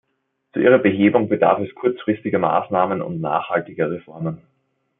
Zu ihrer Behebung bedarf es kurzfristiger Maßnahmen und nachhaltiger Reformen.